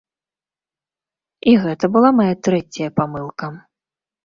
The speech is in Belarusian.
І гэта была мая трэцяя памылка.